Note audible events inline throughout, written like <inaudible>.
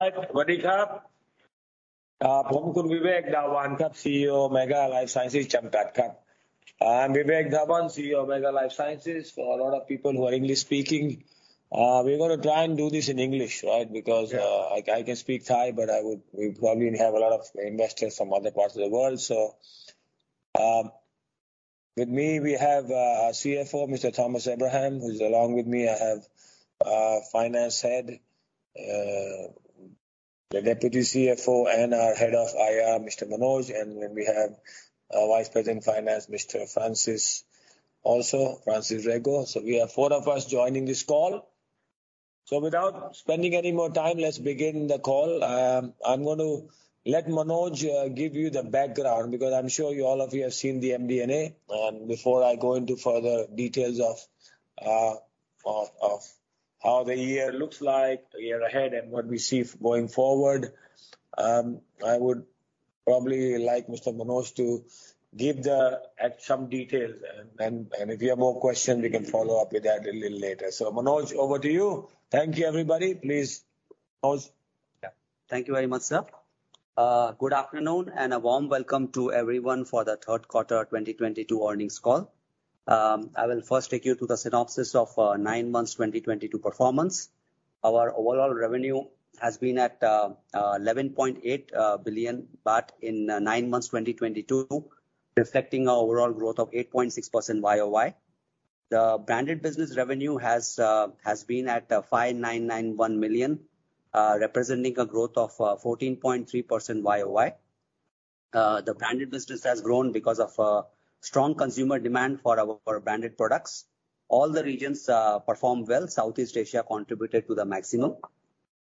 Hi. I'm Vivek Dhawan, CEO, Mega Lifesciences. For a lot of people who are English speaking, we're gonna try and do this in English, right? Because Yeah. I can speak Thai, but I would. We probably have a lot of investors from other parts of the world. With me, we have our CFO, Mr. Thomas Abraham, who's along with me. I have finance head, the Deputy CFO and our Head of IR, Mr. Manoj. Then we have our Vice President, Finance, Mr. Francis Rego. We are four of us joining this call. Without spending any more time, let's begin the call. I'm going to let Manoj give you the background because I'm sure all of you have seen the MD&A. Before I go into further details of how the year looks like, the year ahead and what we see going forward, I would probably like Mr. Manoj to give some details. If you have more questions. Mm-hmm. We can follow up with that a little later. Manoj, over to you. Thank you, everybody. Please, Manoj. Yeah. Thank you very much, sir. Good afternoon and a warm welcome to everyone for the third quarter 2022 earnings call. I will first take you through the synopsis of nine months 2022 performance. Our overall revenue has been at 11.8 billion baht in nine months 2022, reflecting our overall growth of 8.6% YOY. The branded business revenue has been at 5,991 million, representing a growth of 14.3% YOY. The branded business has grown because of strong consumer demand for our branded products. All the regions performed well. Southeast Asia contributed to the maximum.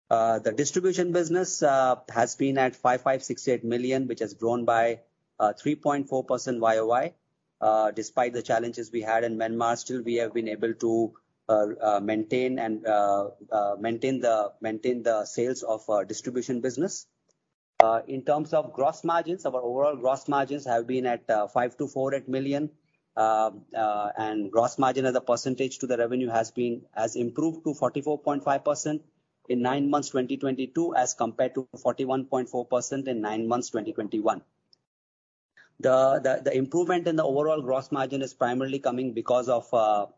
The distribution business has been at 5,568 million, which has grown by 3.4% YOY. Despite the challenges we had in Myanmar, still we have been able to maintain the sales of our distribution business. In terms of gross margins, our overall gross margins have been at 52.48 million. And gross margin as a percentage to the revenue has improved to 44.5% in nine months 2022 as compared to 41.4% in nine months 2021. The improvement in the overall gross margin is primarily coming because of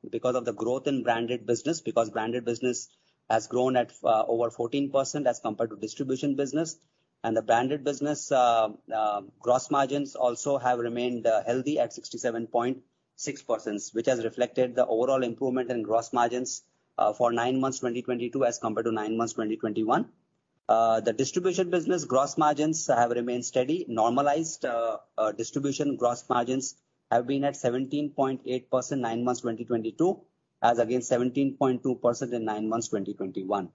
the growth in branded business, because branded business has grown at over 14% as compared to distribution business. The branded business gross margins also have remained healthy at 67.6%, which has reflected the overall improvement in gross margins for nine months 2022 as compared to nine months 2021. The distribution business gross margins have remained steady. Normalized distribution gross margins have been at 17.8% nine months 2022, as against 17.2% in nine months 2021.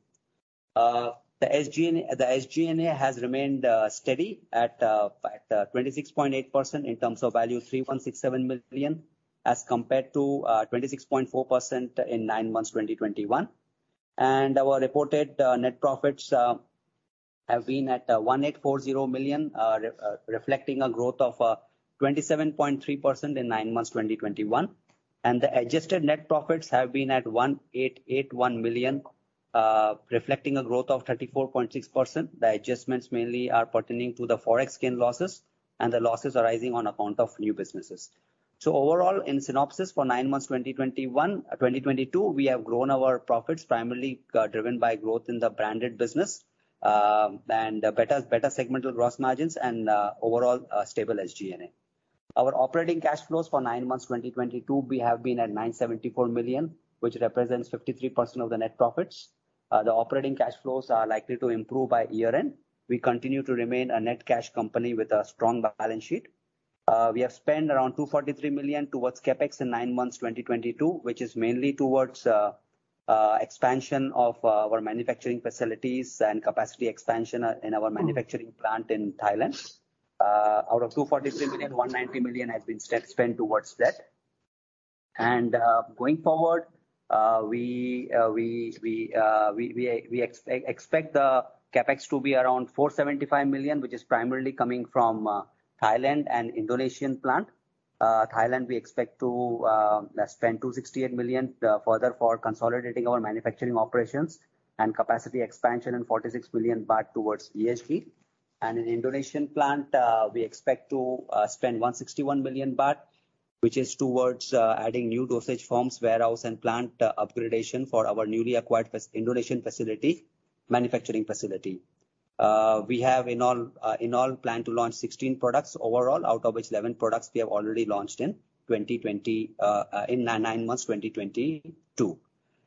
The SG&A has remained steady at 26.8% in terms of value, 3,167 million, as compared to 26.4% in nine months 2021. Our reported net profits have been at 1,840 million, reflecting a growth of 27.3% in nine months 2021. The adjusted net profits have been at 1,881 million, reflecting a growth of 34.6%. The adjustments mainly are pertaining to the Forex gain losses and the losses arising on account of new businesses. Overall, in synopsis for nine months 2021-2022, we have grown our profits primarily, driven by growth in the branded business, and better segmental gross margins and, overall, stable SG&A. Our operating cash flows for nine months 2022 have been at 974 million, which represents 53% of the net profits. The operating cash flows are likely to improve by year-end. We continue to remain a net cash company with a strong balance sheet. We have spent around 243 million towards CapEx in nine months 2022, which is mainly towards expansion of our manufacturing facilities and capacity expansion in our manufacturing plant in Thailand. Out of 243 million, 190 million has been spent towards that. Going forward, we expect the CapEx to be around 475 million, which is primarily coming from Thailand and Indonesian plant. In Thailand, we expect to spend 268 million further for consolidating our manufacturing operations and capacity expansion, and 46 million baht towards EHD. In Indonesian plant, we expect to spend 161 million baht, which is towards adding new dosage forms, warehouse and plant upgradation for our newly acquired Indonesian manufacturing facility. We have in all planned to launch 16 products overall, out of which 11 products we have already launched in nine months, 2022.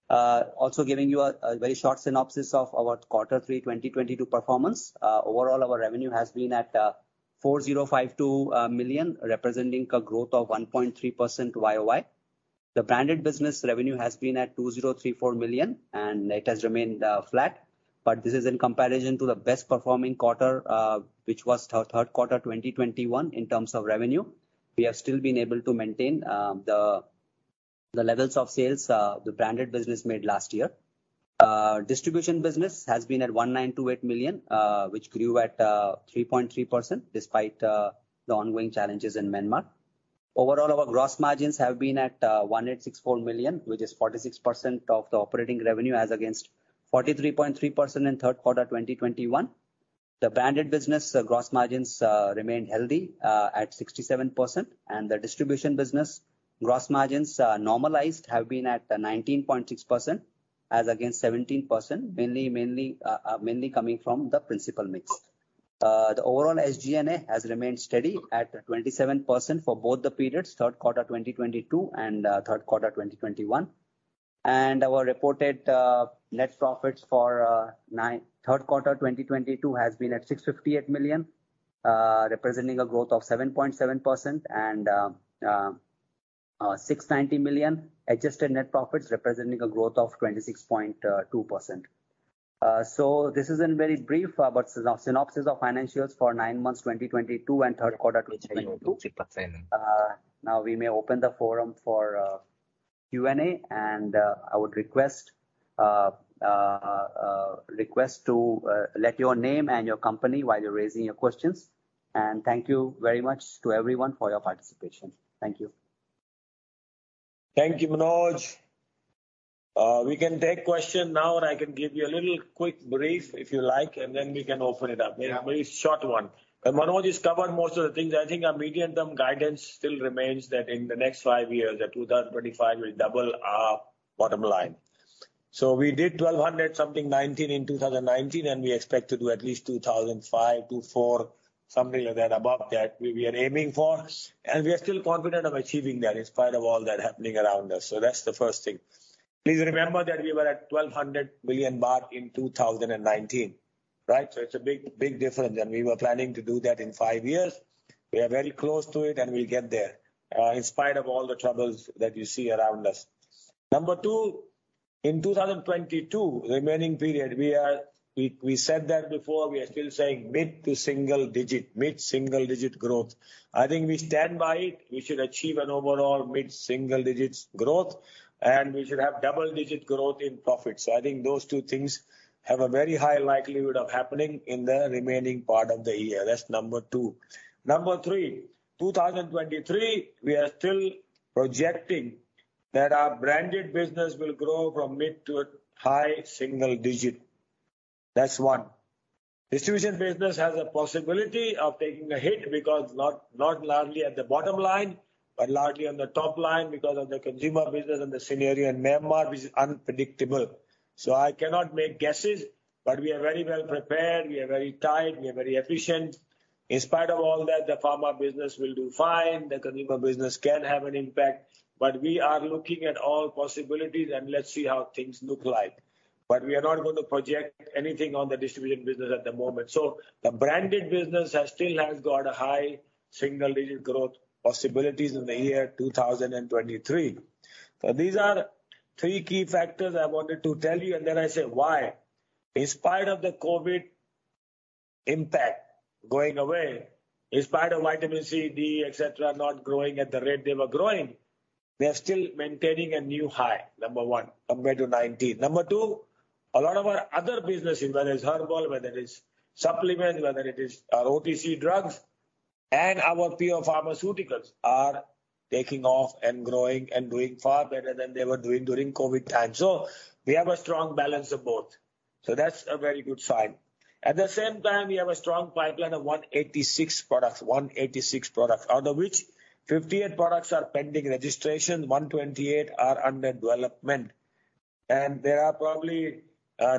Also giving you a very short synopsis of our quarter three 2022 performance. Overall, our revenue has been at 4,052 million, representing a growth of 1.3% YOY. The branded business revenue has been at 2,034 million, and it has remained flat. This is in comparison to the best performing quarter, which was third quarter, 2021 in terms of revenue. We have still been able to maintain the levels of sales the branded business made last year. Distribution business has been at 1,928 million, which grew at 3.3% despite the ongoing challenges in Myanmar. Overall, our gross margins have been at 1,864 million, which is 46% of the operating revenue as against 43.3% in third quarter 2021. The branded business gross margins remained healthy at 67%. The distribution business gross margins, normalized, have been at 19.6% as against 17%. Mainly coming from the principal mix. The overall SG&A has remained steady at 27% for both the periods, third quarter 2022 and third quarter 2021. Our reported net profits for third quarter 2022 has been at 658 million, representing a growth of 7.7% and 690 million adjusted net profits representing a growth of 26.2%. This is in very brief, but synopsis of financials for nine months 2022 and third quarter 2022. Now we may open the forum for Q&A. I would request to state your name and your company while you're raising your questions. Thank you very much to everyone for your participation. Thank you. Thank you, Manoj. We can take questions now, or I can give you a little quick brief if you like, and then we can open it up. Yeah. A very short one. Manoj has covered most of the things. I think our medium-term guidance still remains that in the next five years, that 2025 will double our bottom line. We did 1,200-something million in 2019, and we expect to do at least 2,400-2,500 million, something like that. Above that, we are aiming for. We are still confident of achieving that in spite of all that happening around us. That's the first thing. Please remember that we were at 1,200 million baht in 2019, right? It's a big, big difference. We were planning to do that in five years. We are very close to it, and we'll get there in spite of all the troubles that you see around us. Number two, in 2022, remaining period, we said that before, we are still saying mid- to single-digit, mid-single-digit growth. I think we stand by it. We should achieve an overall mid-single-digit growth, and we should have double-digit growth in profits. I think those two things have a very high likelihood of happening in the remaining part of the year. That's number two. Number three, 2023, we are still projecting that our branded business will grow from mid- to high single-digit. That's one. Distribution business has a possibility of taking a hit because not largely at the bottom line, but largely on the top line because of the consumer business and the scenario in Myanmar, which is unpredictable. I cannot make guesses, but we are very well prepared. We are very tight. We are very efficient. In spite of all that, the pharma business will do fine. The consumer business can have an impact. We are looking at all possibilities and let's see how things look like. We are not going to project anything on the distribution business at the moment. The branded business still has got high single-digit growth possibilities in the year 2023. These are three key factors I wanted to tell you, and then I say why. In spite of the COVID impact going away, in spite of vitamin C, D, et cetera, not growing at the rate they were growing, they are still maintaining a new high, number one, compared to 2019. Number two, a lot of our other business, whether it's herbal, whether it is supplement, whether it is our OTC drugs and our pure pharmaceuticals are taking off and growing and doing far better than they were doing during COVID time. We have a strong balance of both. That's a very good sign. At the same time, we have a strong pipeline of 186 products. 186 products, out of which 58 products are pending registration, 128 are under development. There are probably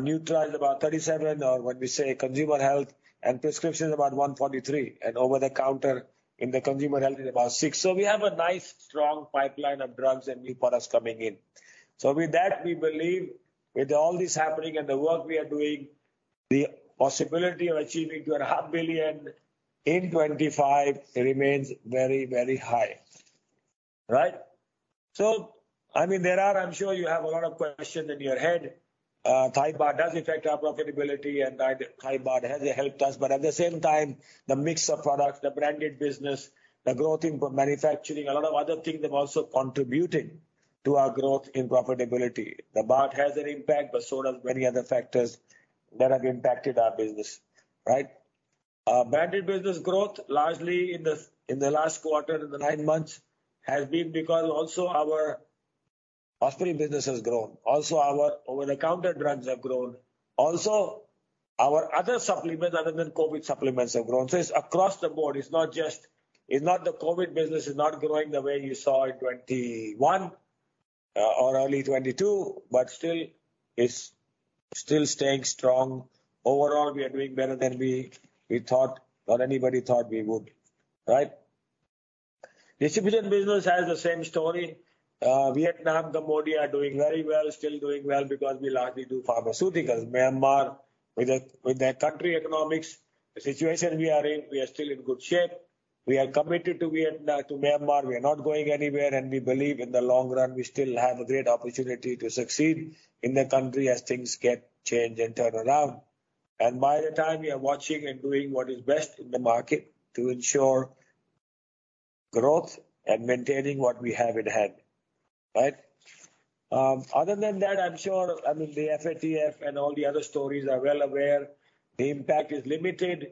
new trials about 37 or when we say consumer health and prescriptions about 143 and over the counter in the consumer health is about six. We have a nice strong pipeline of drugs and new products coming in. With that, we believe with all this happening and the work we are doing, the possibility of achieving 2.5 billion in 2025 remains very, very high, right? I mean, I'm sure you have a lot of questions in your head. Thai baht does affect our profitability and Thai baht has helped us, but at the same time, the mix of products, the branded business, the growth in manufacturing, a lot of other things have also contributed to our growth in profitability. The baht has an impact, but so does many other factors that have impacted our business, right? Our branded business growth largely in the last quarter, in the nine months, has been because also our hospital business has grown. Also our over-the-counter drugs have grown. Also our other supplements other than COVID supplements have grown. It's across the board. It's not the COVID business is growing the way you saw in 2021 or early 2022, but still it's staying strong. Overall, we are doing better than we thought or anybody thought we would, right? Distribution business has the same story. Vietnam, Cambodia are doing very well, still doing well because we largely do pharmaceuticals. Myanmar with their country's economic situation we are in, we are still in good shape. We are committed to Myanmar. We are not going anywhere, and we believe in the long run, we still have a great opportunity to succeed in the country as things get changed and turn around. By the time we are watching and doing what is best in the market to ensure growth and maintaining what we have at hand, right? Other than that, I'm sure, I mean, the FATF and all the other authorities are well aware. The impact is limited.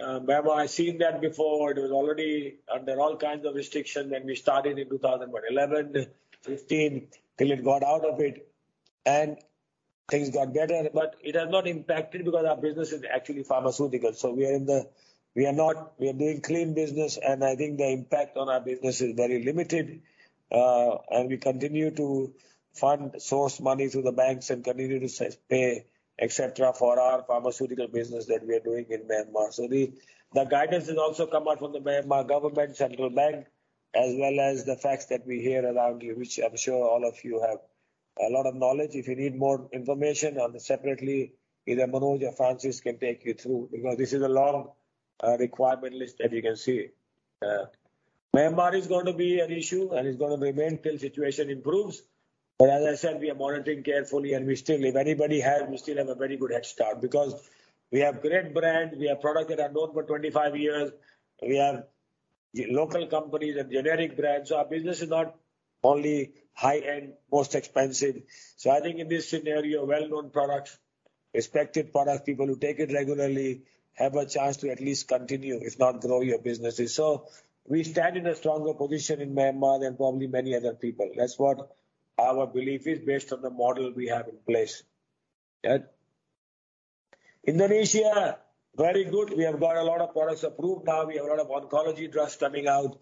Myanmar, I've seen that before. It was already under all kinds of restrictions when we started in 2011, 2015, till it got out of it and things got better. It has not impacted because our business is actually pharmaceutical. We are doing clean business, and I think the impact on our business is very limited. We continue to fund, source money through the banks and continue to repay, et cetera, for our pharmaceutical business that we are doing in Myanmar. The guidance has also come out from the Myanmar government central bank, as well as the facts that we hear around you, which I'm sure all of you have a lot of knowledge. If you need more information on that separately, either Manoj or Francis can take you through, because this is a long requirement list as you can see. Myanmar is going to be an issue, and it's gonna remain till situation improves. But as I said, we are monitoring carefully and we still have a very good head start because we have great brand, we have products that are known for 25 years. We have local companies and generic brands. Our business is not only high-end, most expensive. I think in this scenario, well-known products, respected products, people who take it regularly have a chance to at least continue, if not grow your businesses. We stand in a stronger position in Myanmar than probably many other people. That's what our belief is based on the model we have in place. Yeah. Indonesia, very good. We have got a lot of products approved now. We have a lot of oncology drugs coming out,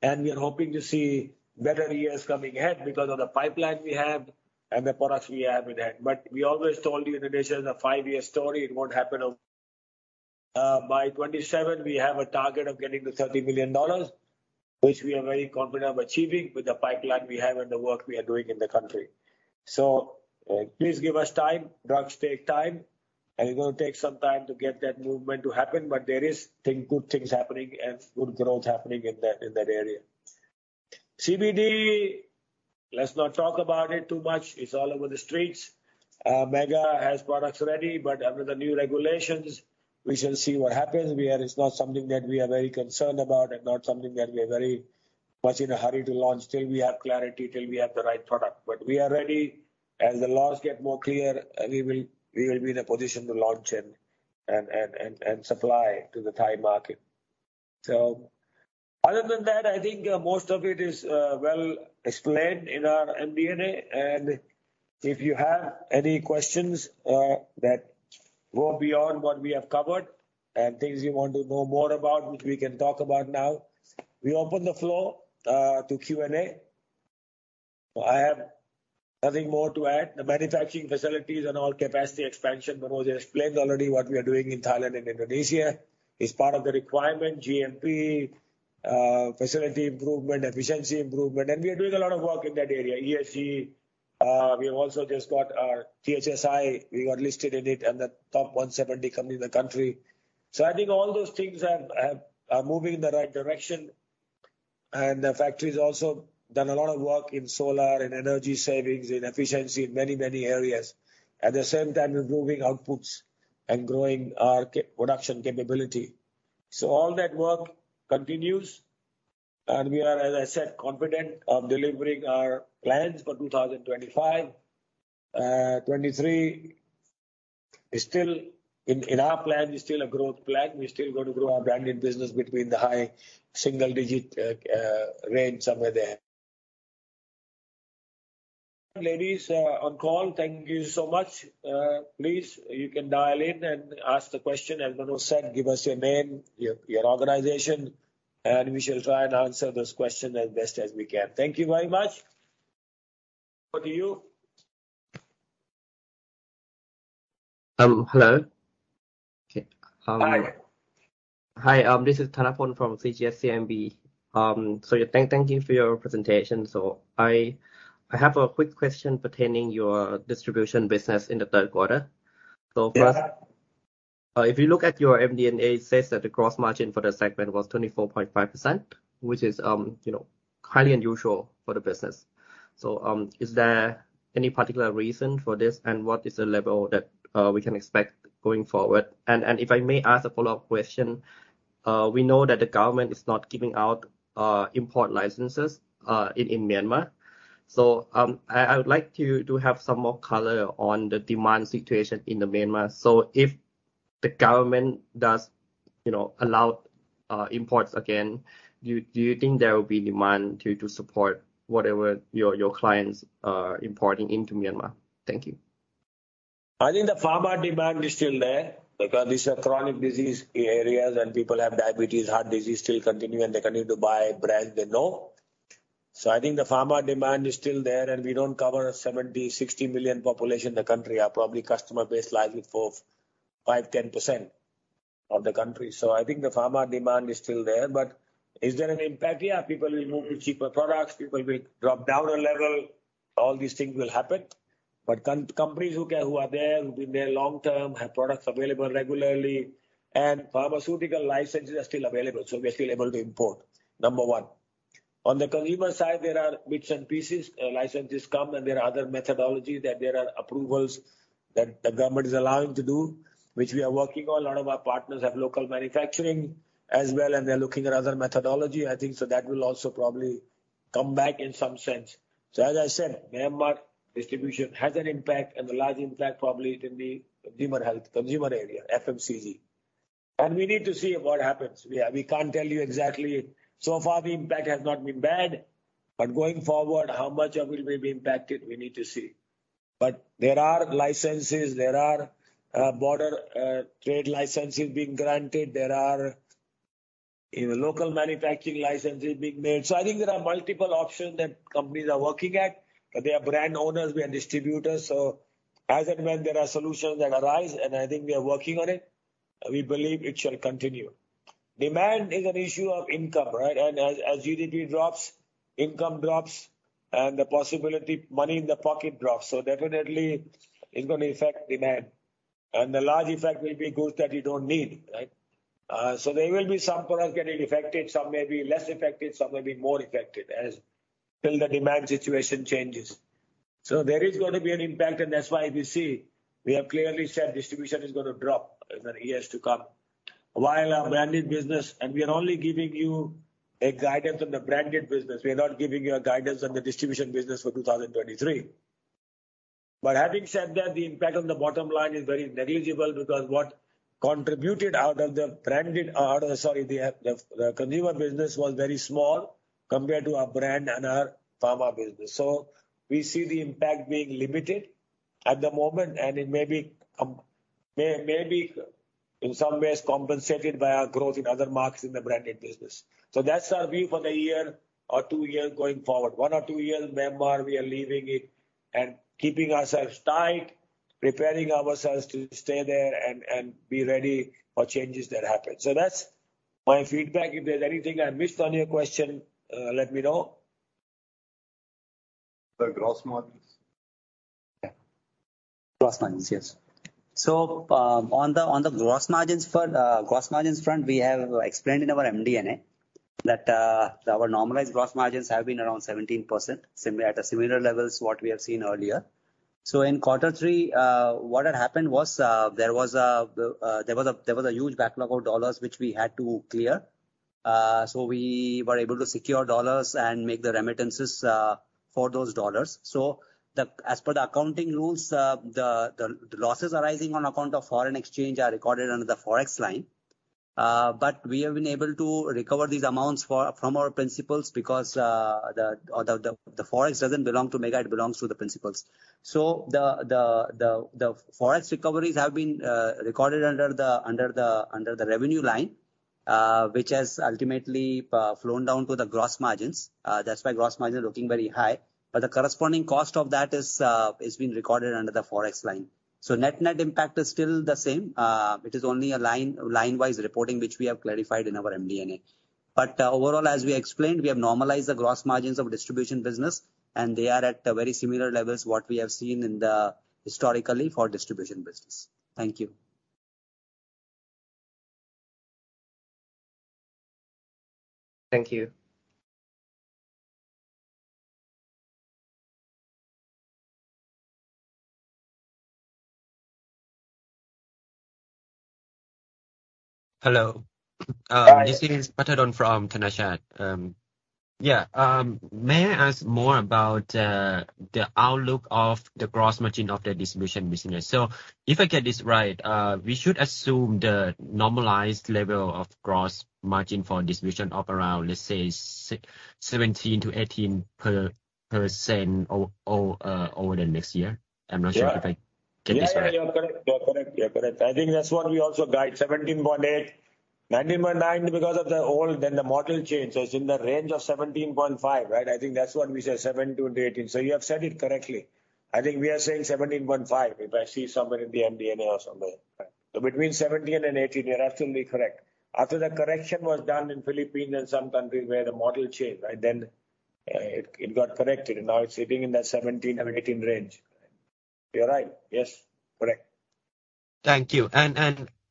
and we are hoping to see better years coming ahead because of the pipeline we have and the products we have in hand. But we always told you, Indonesia is a five-year story. It won't happen by 2027. We have a target of getting to $30 million, which we are very confident of achieving with the pipeline we have and the work we are doing in the country. Please give us time. Drugs take time, and it's gonna take some time to get that movement to happen, but there are good things happening and good growth happening in that area. CBD, let's not talk about it too much. It's all over the streets. Mega has products ready, but under the new regulations, we shall see what happens. It's not something that we are very concerned about and not something that we are very much in a hurry to launch till we have clarity, till we have the right product. We are ready. As the laws get more clear, we will be in a position to launch and supply to the Thai market. Other than that, I think most of it is well explained in our MD&A. If you have any questions that go beyond what we have covered and things you want to know more about, which we can talk about now, we open the floor to Q&A. I have nothing more to add. The manufacturing facilities and all capacity expansion, Manoj explained already what we are doing in Thailand and Indonesia. It's part of the requirement, GMP facility improvement, efficiency improvement, and we are doing a lot of work in that area. ESG, we have also just got our THSI. We got listed in it and the top 170 company in the country. So I think all those things are moving in the right direction. The factory's also done a lot of work in solar and energy savings, in efficiency in many, many areas. At the same time, improving outputs and growing our production capability. All that work continues, and we are, as I said, confident of delivering our plans for 2025. 2023 is still, in our plan, a growth plan. We're still going to grow our branded business between the high single-digit range, somewhere there. Ladies on call, thank you so much. Please, you can dial in and ask the question. As Manoj said, give us your name, your organization, and we shall try and answer those questions as best as we can. Thank you very much. Over to you. Hello. Hi. Hi, this is Thanapol from CGS-CIMB. Thank you for your presentation. I have a quick question pertaining to your distribution business in the third quarter. First- Yeah. If you look at your MD&A, it says that the gross margin for the segment was 24.5%, which is, you know, highly unusual for the business. Is there any particular reason for this, and what is the level that we can expect going forward? If I may ask a follow-up question, we know that the government is not giving out import licenses in Myanmar. I would like to have some more color on the demand situation in Myanmar. If the government does, you know, allow imports again, do you think there will be demand to support whatever your clients are importing into Myanmar? Thank you. I think the pharma demand is still there because these are chronic disease areas, and people have diabetes, heart disease still continue, and they continue to buy brands they know. I think the pharma demand is still there, and we don't cover 70-60 million population in the country. Our probably customer base lies with 4%, 5%, 10% of the country. I think the pharma demand is still there. Is there an impact? Yeah. People will move to cheaper products. People will drop down a level. All these things will happen. Companies who are there, who've been there long term, have products available regularly, and pharmaceutical licenses are still available, so we are still able to import, number one. On the consumer side, there are bits and pieces. Licenses come and there are other methodology that approvals that the government is allowing to do, which we are working on. A lot of our partners have local manufacturing as well and they're looking at other methodology, I think, so that will also probably come back in some sense. As I said, Myanmar distribution has an impact and a large impact probably it will be consumer health, consumer area, FMCG. We need to see what happens. We can't tell you exactly. So far, the impact has not been bad, but going forward, how much of it will be impacted, we need to see. There are licenses, there are border trade licenses being granted. There are, you know, local manufacturing licenses being made. I think there are multiple options that companies are working at. They are brand owners, we are distributors, so as and when there are solutions that arise, and I think we are working on it, we believe it shall continue. Demand is an issue of income, right? As GDP drops, income drops, and the disposable money in the pocket drops. Definitely it's gonna affect demand. The largest effect will be goods that you don't need, right? There will be some products getting affected, some may be less affected, some may be more affected until the demand situation changes. There is gonna be an impact, and that's why we see, we have clearly said distribution is gonna drop in the years to come. While our branded business, we are only giving you a guidance on the branded business. We are not giving you a guidance on the distribution business for 2023. Having said that, the impact on the bottom line is very negligible because what contributed out of the consumer business was very small compared to our brand and our pharma business. We see the impact being limited at the moment, and it may be in some ways compensated by our growth in other markets in the branded business. That's our view for the year or two years going forward. One or two years, Myanmar, we are leaving it and keeping ourselves tight, preparing ourselves to stay there and be ready for changes that happen. That's my feedback. If there's anything I missed on your question, let me know. The gross margins. Yeah. Gross margins, yes. On the gross margins front, we have explained in our MD&A that our normalized gross margins have been around 17%, similar to the levels we have seen earlier. In quarter three, what had happened was, there was a huge backlog of dollars which we had to clear. We were able to secure dollars and make the remittances for those dollars. As per the accounting rules, the losses arising on account of foreign exchange are recorded under the Forex line. We have been able to recover these amounts from our principals because the Forex doesn't belong to Mega, it belongs to the principals. The Forex recoveries have been recorded under the revenue line, which has ultimately flown down to the gross margins. That's why gross margin looking very high. The corresponding cost of that is being recorded under the Forex line. Net-net impact is still the same. It is only a line-wise reporting which we have clarified in our MD&A. Overall, as we explained, we have normalized the gross margins of distribution business and they are at very similar levels what we have seen historically for distribution business. Thank you. Thank you. Hello. Hi. This is Pattadol from Thanachart. May I ask more about the outlook of the gross margin of the distribution business? If I get this right, we should assume the normalized level of gross margin for distribution of around, let's say, 17%-18% over the next year. I'm not sure if I get this right. Yeah, you are correct. I think that's what we also guide, 17.8%. 19.9% because of the old, then the model change. It's in the range of 17.5%, right? I think that's what we said, 17%-18%. You have said it correctly. I think we are saying 17.5%, if I see somewhere in the MD&A or somewhere. Between 17% and 18%, you're absolutely correct. After the correction was done in Philippines and some countries where the model changed, right, then it got corrected and now it's sitting in that 17% or 18% range. You're right. Yes, correct. Thank you.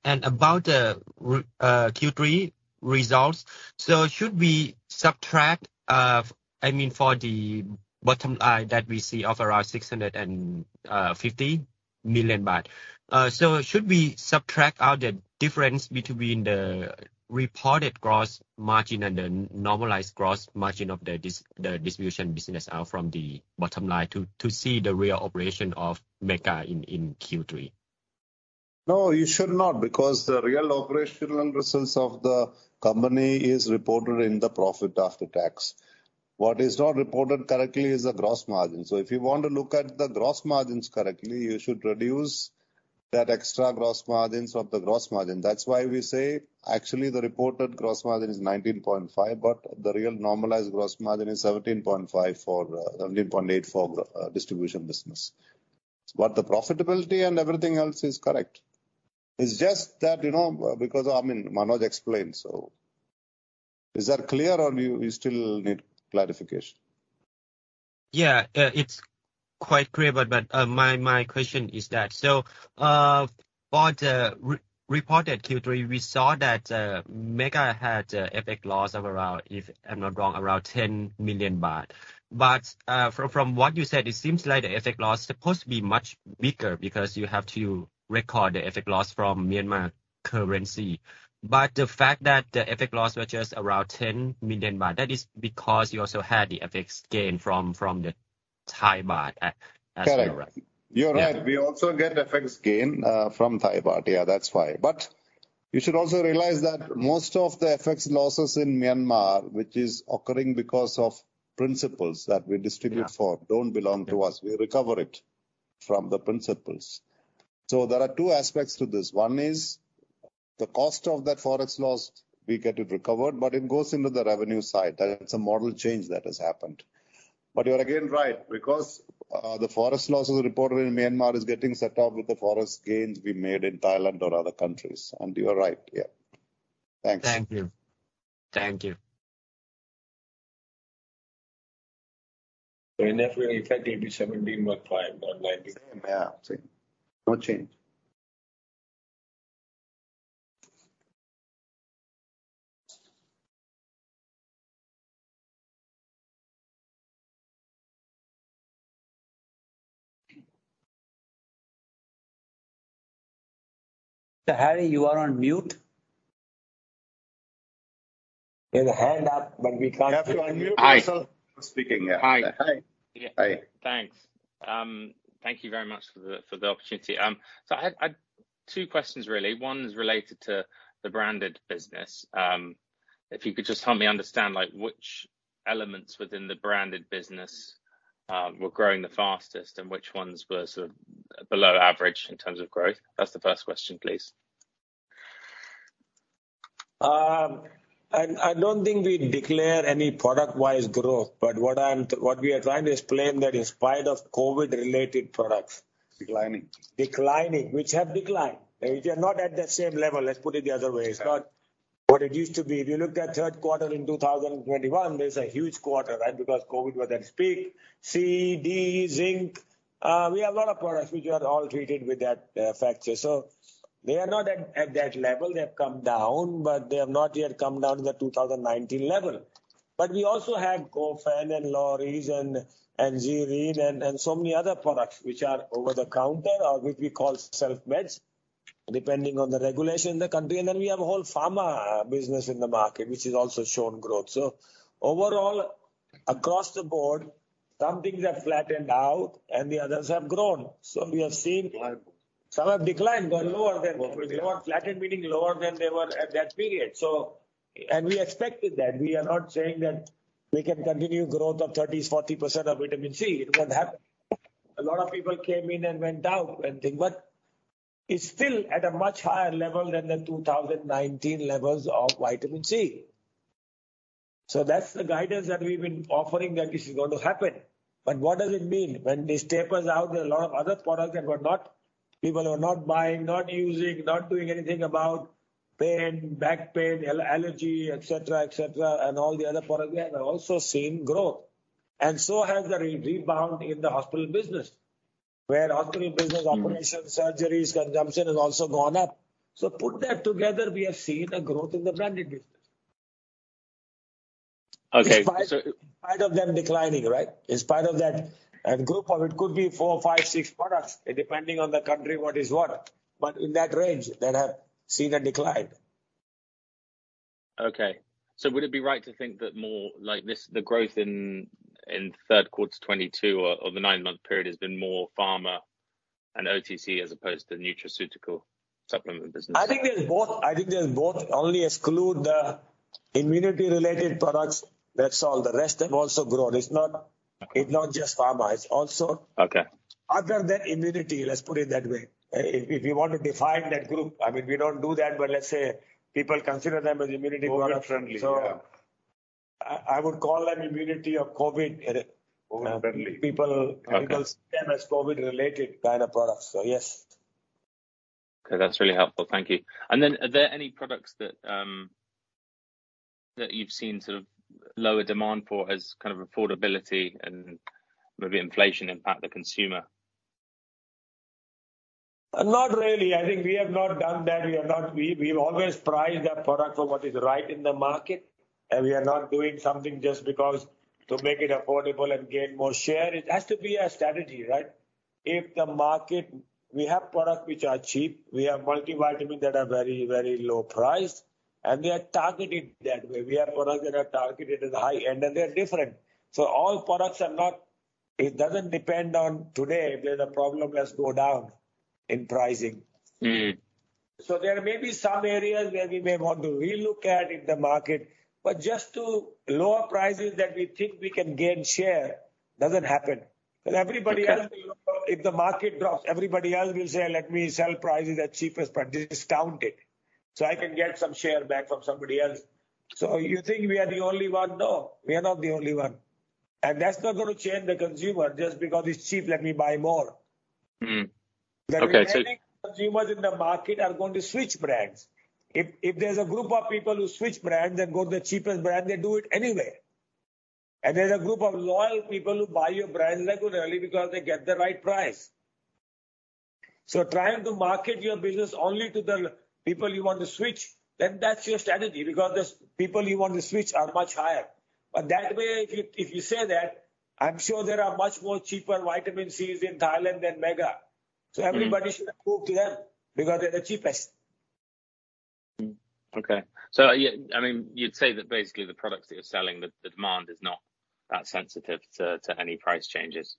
About the Q3 results. Should we subtract, I mean, for the bottom line that we see of around 650 million baht. Should we subtract out the difference between the reported gross margin and the normalized gross margin of the distribution business out from the bottom line to see the real operation of Mega in Q3? No, you should not, because the real operational results of the company is reported in the profit after tax. What is not reported correctly is the gross margin. If you want to look at the gross margins correctly, you should reduce that extra gross margins of the gross margin. That's why we say actually the reported gross margin is 19.5%, but the real normalized gross margin is 17.5% for 17.8% for distribution business. But the profitability and everything else is correct. It's just that, you know, because, I mean, Manoj explained. Is that clear or you still need clarification? Yeah. It's quite clear, but my question is that for the re-reported Q3, we saw that Mega had a FX loss of around, if I'm not wrong, around 10 million baht. From what you said, it seems like the FX loss supposed to be much bigger because you have to record the FX loss from Myanmar currency. The fact that the FX loss was just around 10 million baht, that is because you also had the FX gain from the Thai baht as you are right. Correct. You're right. Yeah. We also get FX gain from Thai baht. Yeah, that's why. You should also realize that most of the FX losses in Myanmar, which is occurring because of principals that we distribute. Yeah Funds don't belong to us. We recover it from the principals. There are two aspects to this. One is the cost of that Forex loss, we get it recovered, but it goes into the revenue side. That is a model change that has happened. You're again right, because, the Forex losses reported in Myanmar is getting set off with the Forex gains we made in Thailand or other countries. You are right. Yeah. Thanks. Thank you. Thank you. In net real effect it'll be 17.5 not 19. Yeah. Same. No change. Harry, you are on mute. You have a hand up, but we can't. You have to unmute yourself. Hi. Speaking, yeah. Hi. Yeah. Hi. Thanks. Thank you very much for the opportunity. I had two questions really. One is related to the branded business. If you could just help me understand, like, which elements within the branded business were growing the fastest and which ones were sort of below average in terms of growth? That's the first question, please. I don't think we declare any product-wise growth, but what we are trying to explain that in spite of COVID-related products. Declining. Declining. Which have declined. They are not at that same level, let's put it the other way. Yeah. It's not what it used to be. If you looked at third quarter in 2021, there's a huge quarter, right? Because COVID was at its peak. C, D, zinc, we have a lot of products which are all treated with that factor. They are not at that level. They have come down, but they have not yet come down to the 2019 level. We also have Cofin and Loreze and Zyrine and so many other products which are over the counter or which we call self-meds, depending on the regulation in the country. Then we have a whole pharma business in the market which has also shown growth. Overall, across the board, some things have flattened out and the others have grown. We have seen. Declined. Some have declined, but lower than. Lower. Lower. Flattened meaning lower than they were at that period. We expected that. We are not saying that we can continue growth of 30s, 40% of vitamin C. It won't happen. A lot of people came in and went out and thing. It's still at a much higher level than the 2019 levels of vitamin C. That's the guidance that we've been offering that this is going to happen. What does it mean when this tapers out, there are a lot of other products that people were not buying, not using, not doing anything about pain, back pain, allergy, et cetera, et cetera, and all the other products. We have also seen growth and so has the rebound in the hospital business, where hospital business. Mm-hmm Operation, surgeries, consumption has also gone up. Put that together, we have seen a growth in the branded business. Okay. In spite of them declining, right? In spite of that. Group of it could be four, five, six products depending on the country, what is what. In that range that have seen a decline. Okay. Would it be right to think that more like this, the growth in third quarter 2022 or the nine-month period has been more pharma and OTC as opposed to nutraceutical supplement business? I think there's both. Only exclude the immunity related products. That's all. The rest have also grown. It's not. Okay. It's not just pharma, it's also. Okay. Other than immunity, let's put it that way. If you want to define that group. I mean, we don't do that, but let's say people consider them as immunity products. COVID-friendly. Yeah. I would call them immunity or COVID. COVID-friendly. People- Okay Consider them as COVID-related kind of products. Yes. Okay. That's really helpful, thank you. Then are there any products that you've seen sort of lower demand for as kind of affordability and maybe inflation impact the consumer? Not really. I think we have not done that. We've always priced our product for what is right in the market, and we are not doing something just because to make it affordable and gain more share. It has to be a strategy, right? We have products which are cheap. We have multivitamins that are very, very low priced, and they are targeted that way. We have products that are targeted at the high end, and they're different. It doesn't depend on today where the problem has gone down in pricing. Mm. There may be some areas where we may want to relook at in the market, but just to lower prices that we think we can gain share doesn't happen. Okay. 'Cause everybody else will lower. If the market drops, everybody else will say, "Let me set prices at discounted so I can get some share back from somebody else." You think we are the only one? No, we are not the only one. That's not gonna change the consumer just because it's cheap, let me buy more. Okay. The dynamic consumers in the market are going to switch brands. If there's a group of people who switch brands and go to the cheapest brand, they do it anyway. There's a group of loyal people who buy your brand regularly because they get the right price. Trying to market your business only to the people you want to switch, then that's your strategy because the people you want to switch are much higher. That way if you say that, I'm sure there are much more cheaper vitamin Cs in Thailand than Mega. Mm-hmm. Everybody should move to them because they're the cheapest. Okay. I mean, you'd say that basically the products that you're selling, the demand is not that sensitive to any price changes?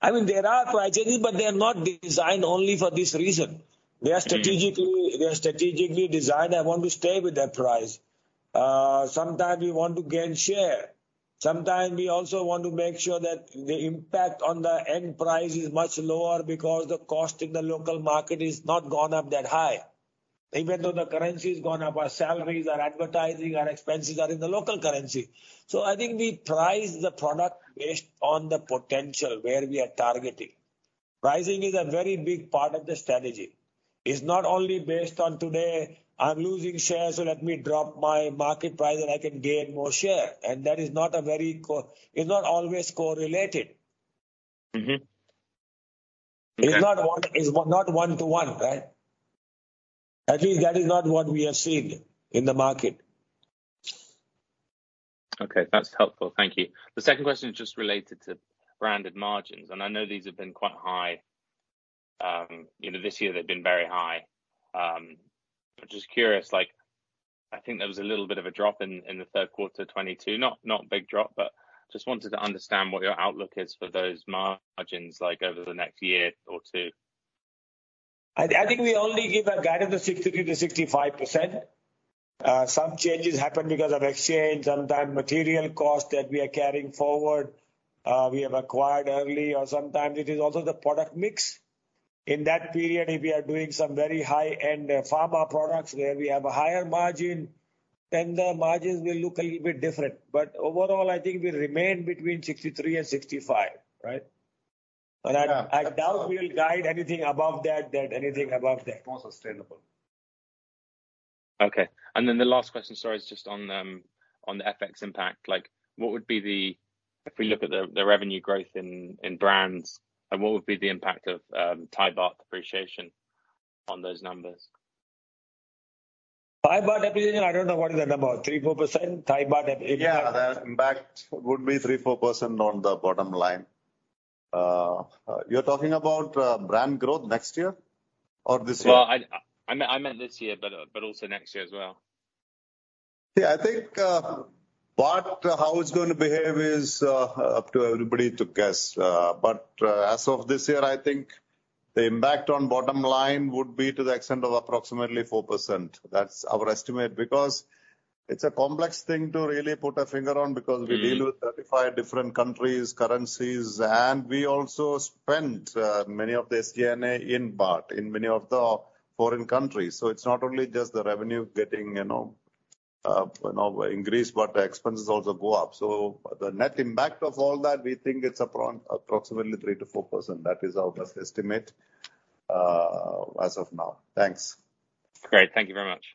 I mean, there are price changes, but they're not designed only for this reason. Mm-hmm. They are strategically designed and want to stay with that price. Sometimes we want to gain share. Sometimes we also want to make sure that the impact on the end price is much lower because the cost in the local market is not gone up that high. Even though the currency has gone up, our salaries, our advertising, our expenses are in the local currency. I think we price the product based on the potential where we are targeting. Pricing is a very big part of the strategy. It's not only based on today, I'm losing shares, so let me drop my market price, and I can gain more share. It's not always correlated. Mm-hmm. Okay. It's not one, it's not one to one, right? At least that is not what we are seeing in the market. Okay, that's helpful. Thank you. The second question is just related to branded margins. I know these have been quite high. You know, this year they've been very high. But just curious, like I think there was a little bit of a drop in the third quarter 2022, not a big drop, but just wanted to understand what your outlook is for those margins like over the next year or two. I think we only give a guide of the 63%-65%. Some changes happen because of exchange, sometime material costs that we are carrying forward, we have acquired early, or sometimes it is also the product mix. In that period, if we are doing some very high-end pharma products where we have a higher margin, then the margins will look a little bit different. Overall, I think we remain between 63% and 65%, right? Yeah. I doubt we'll guide anything above that. More sustainable. Okay. The last question, sorry, is just on the FX impact. Like, if we look at the revenue growth in brands, what would be the impact of Thai baht depreciation on those numbers? Thai baht depreciation. I don't know what is the number, 3%-4% Thai baht appreciation. Yeah. The impact would be 3%-4% on the bottom line. You're talking about brand growth next year or this year? Well, I meant this year, but also next year as well. Yeah, I think the baht how it's gonna behave is up to everybody to guess. As of this year, I think the impact on bottom line would be to the extent of approximately 4%. That's our estimate, because it's a complex thing to really put a finger on. Mm-hmm. We deal with 35 different countries, currencies, and we also spend many of the SG&A in baht in many of the foreign countries. It's not only just the revenue getting, you know, you know, increased, but the expenses also go up. The net impact of all that, we think it's approximately 3%-4%. That is our best estimate, as of now. Thanks. Great. Thank you very much.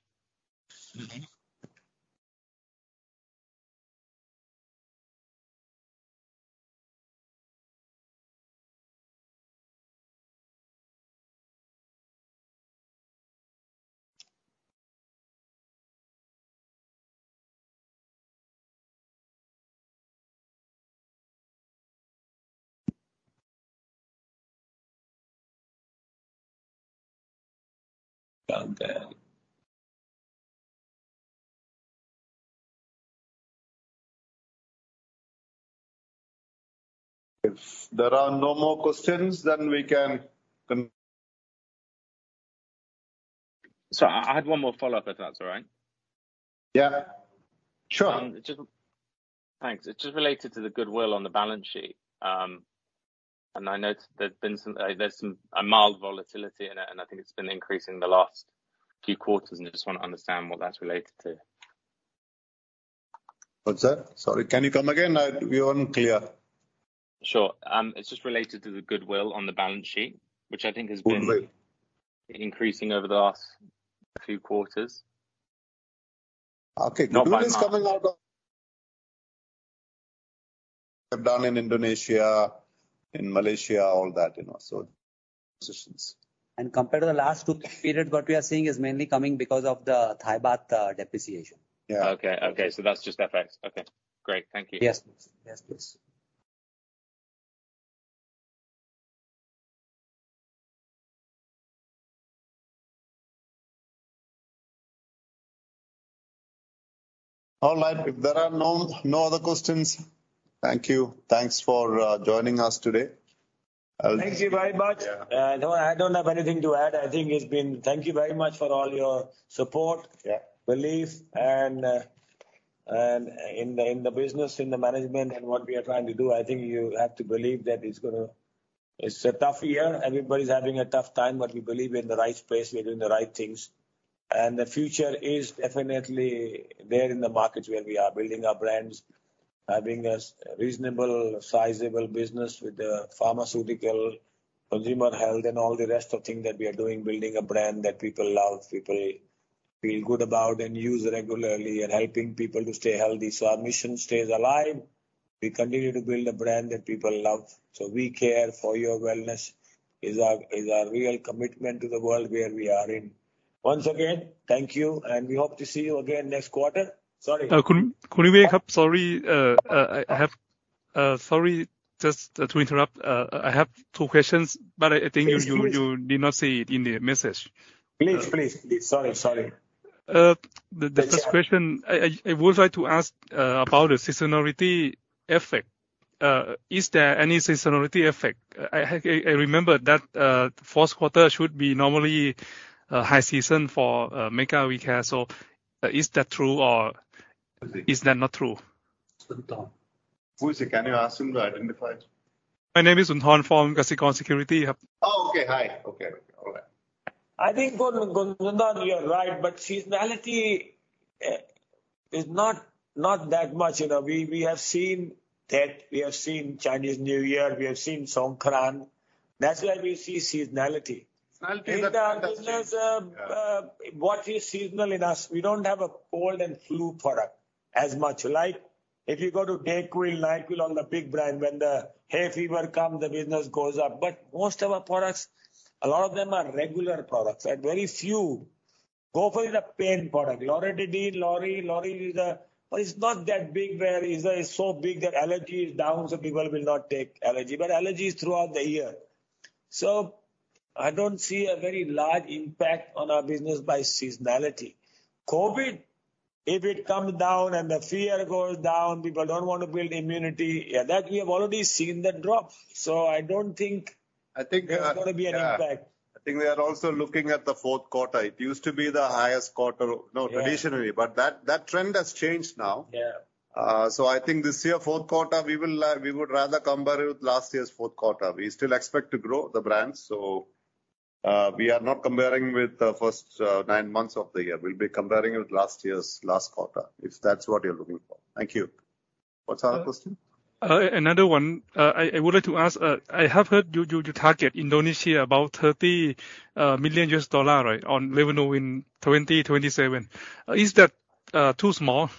Mm-hmm. Well done. If there are no more questions, we can con- Sorry, I had one more follow-up, if that's all right. Yeah. Sure. Thanks. It's just related to the goodwill on the balance sheet. I noticed there's been some mild volatility in it, and I think it's been increasing the last few quarters, and I just wanna understand what that's related to. What's that? Sorry. Can you come again? We're unclear. Sure. It's just related to the goodwill on the balance sheet, which I think has been. Goodwill. increasing over the last few quarters. Okay. Not by much. We've done in Indonesia, in Malaysia, all that, you know, so positions. Compared to the last two periods, what we are seeing is mainly coming because of the Thai baht depreciation. Yeah. Okay. That's just FX. Okay, great. Thank you. Yes. Yes, please. All right. If there are no other questions, thank you. Thanks for joining us today. I'll- Thank you very much. Yeah. No, I don't have anything to add. I think it's been. Thank you very much for all your support. Yeah. Belief and in the business, in the management and what we are trying to do. I think you have to believe that it's gonna. It's a tough year. Everybody's having a tough time, but we believe we're in the right space. We are doing the right things. The future is definitely there in the markets where we are building our brands. Having a reasonable sizable business with the pharmaceutical, consumer health, and all the rest of things that we are doing, building a brand that people love, people feel good about and use regularly, and helping people to stay healthy. Our mission stays alive. We continue to build a brand that people love. We Care for Your Wellness is our real commitment to the world where we are in. Once again, thank you, and we hope to see you again next quarter. Sorry. <audio distortion> sorry. Sorry just to interrupt. I have two questions, but I think you- Yes, please. You did not see it in the message. Please. Sorry. The first question I would like to ask about the seasonality effect. Is there any seasonality effect? I remember that fourth quarter should be normally a high season for Mega We Care. Is that true or is that not true? Sunthorn. Who is it? Can you ask him to identify? My name is Sunthorn from Kasikorn Securities. Oh, okay. Hi. Okay. All right. I think, Khun Sunthorn, you are right, but seasonality is not that much. You know, we have seen Tet, we have seen Chinese New Year, we have seen Songkran. That's where we see seasonality. Seasonality- In our business, what is seasonal in us, we don't have a cold and flu product as much. Like if you go to DayQuil, NyQuil one of the big brands, when the hay fever comes, the business goes up. Most of our products, a lot of them are regular products, right? Very few go for the pain product. Loratadine, Loreze. It's not that big, whereas it's so big that allergy is down, so people will not take allergy, but allergy is throughout the year. I don't see a very large impact on our business by seasonality. COVID, if it comes down and the fear goes down, people don't want to build immunity. Yeah, that we have already seen that drop. I don't think. I think. There's gonna be an impact. Yeah. I think we are also looking at the fourth quarter. It used to be the highest quarter. Yeah. No, traditionally. That trend has changed now. Yeah. I think this year, fourth quarter, we would rather compare it with last year's fourth quarter. We still expect to grow the brands. We are not comparing with the first nine months of the year. We'll be comparing with last year's last quarter, if that's what you're looking for. Thank you. What's our question? Another one. I would like to ask. I have heard you target Indonesia about $30 million, right? On revenue in 2027. Is that too small?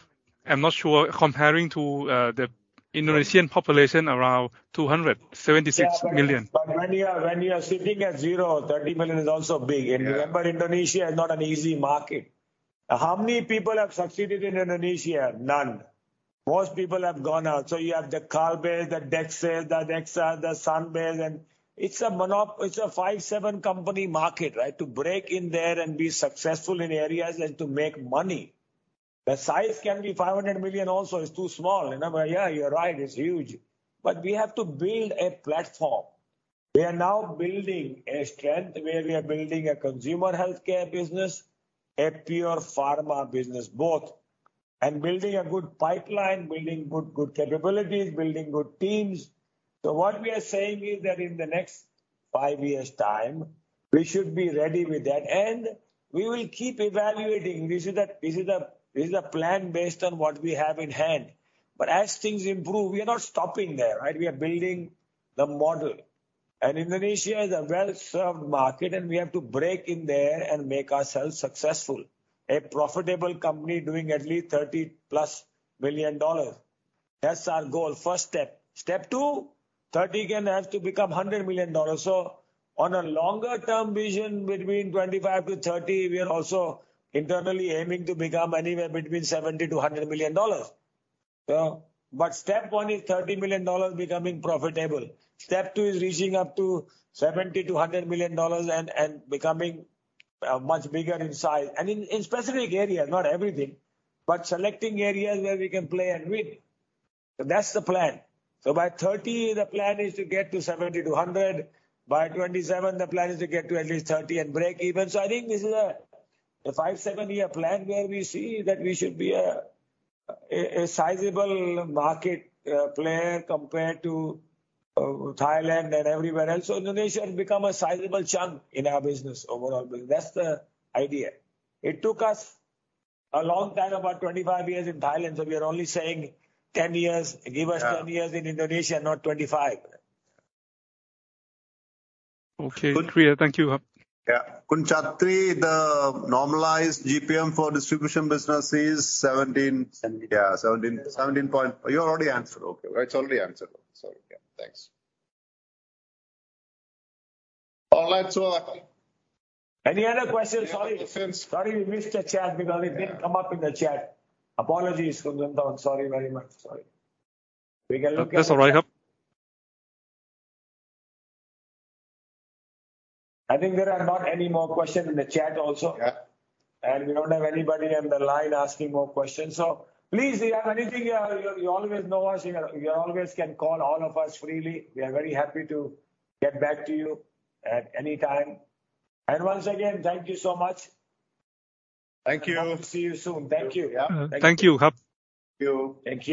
I'm not sure comparing to the Indonesian population around 276 million. Yeah. When you are sitting at zero, $30 million is also big. Yeah. Remember, Indonesia is not an easy market. How many people have succeeded in Indonesia? None. Most people have gone out. You have the Kalbe, the Dexa, the Nexa, the Sanbe, and it's a five-seven company market, right? To break in there and be successful in areas and to make money, the size can be 500 million also is too small. You know, but yeah, you're right, it's huge. We have to build a platform. We are now building a strength where we are building a consumer healthcare business, a pure pharma business, both. Building a good pipeline, building good capabilities, building good teams. What we are saying is that in the next five years' time, we should be ready with that. We will keep evaluating. This is a plan based on what we have in hand. As things improve, we are not stopping there, right? We are building the model. Indonesia is a well-served market, and we have to break in there and make ourselves successful. A profitable company doing at least $30+ million. That's our goal. First step. Step two, 30 can have to become 100 million dollars. On a longer term vision between 2025 and 2030, we are also internally aiming to become anywhere between 70-100 million dollars. Step one is $30 million becoming profitable. Step two is reaching up to $70-$100 million and becoming much bigger in size. In specific areas, not everything. Selecting areas where we can play and win. That's the plan. By 2030, the plan is to get to 70-100. By 2027, the plan is to get to at least 30 and break even. I think this is a 5-7-year plan where we see that we should be a sizable market player compared to Thailand and everywhere else. Indonesia become a sizable chunk in our business overall. That's the idea. It took us a long time, about 25 years in Thailand, so we are only saying 10 years. Yeah. Give us 10 years in Indonesia, not 25. Okay. Clear. Thank you. Yeah, Kunchatree, the normalized GPM for distribution business is 17%. Seventeen. Yeah. 17. You already answered. Okay. It's already answered. Sorry. Yeah. Thanks. All right. Any other questions? Sorry. Since- Sorry we missed the chat because it didn't come up in the chat. Apologies, Khun Sunthorn. Sorry very much. Sorry. That's all right. I think there are not any more questions in the chat also. Yeah. We don't have anybody on the line asking more questions. Please, if you have anything, you always know us. You always can call all of us freely. We are very happy to get back to you at any time. Once again, thank you so much. Thank you. Hope to see you soon. Thank you. Yeah. Thank you. Thank you. Thank you.